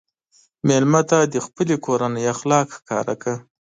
مېلمه ته د خپلې کورنۍ اخلاق ښکاره کړه.